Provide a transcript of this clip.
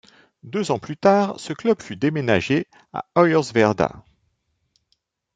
Deux ans plus tard, ce club fut déménagé à Hoyerswerda.